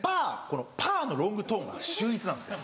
この「パー」のロングトーンが秀逸なんですね。